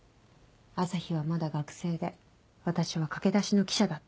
朝陽はまだ学生で私は駆け出しの記者だった。